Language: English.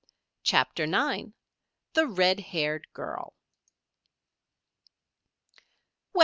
CHAPTER IX THE RED HAIRED GIRL "Well!